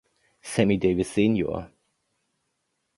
Sammy Davis, Sr.